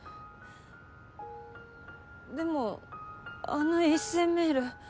でもあの一斉メール。